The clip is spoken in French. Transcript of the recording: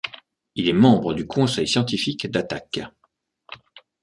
Il est membre du Conseil scientifique d’Attac.